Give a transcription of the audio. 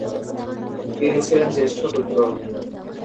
তিনি ছিলেন জ্যেষ্ঠ পুত্র।